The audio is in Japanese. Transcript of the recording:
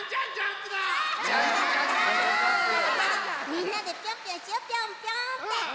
みんなでピョンピョンしようピョンピョンって。